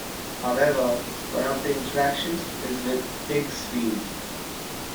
However, one of the interactions is with Higgs field.